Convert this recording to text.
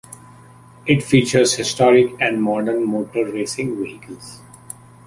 It features historic and modern motor-racing vehicles.